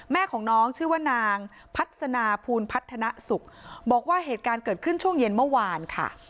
แม่ของน้องชื่อว่านางพัฒนาภูลพัฒนสุขบอกว่าเหตุการณ์เกิดขึ้นช่วงเย็นเมื่อวานค่ะ